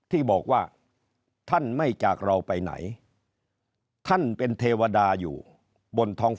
ที่บอกว่าท่านไม่จากเราไปไหนท่านเป็นเทวดาอยู่บนท้อง